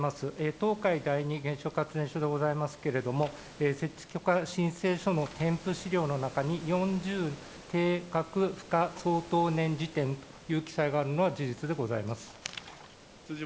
東海第二原子力発電所でございますけれども、設置許可申請書の添付資料の中に、４０と記載があるのは事実でございます。